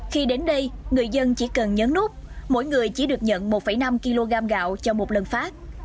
khi đến đây người dân chỉ cần nhấn nút mỗi người chỉ được nhận một năm kg gạo cho một lần phát